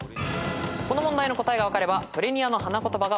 この問題の答えが分かればトレニアの花言葉が分かるはず。